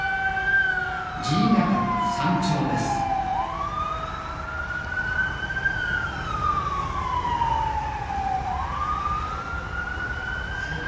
爺ヶ岳山頂です着いた。